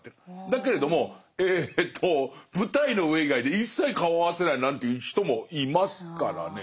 だけれどもえと舞台の上以外で一切顔合わせないなんていう人もいますからね。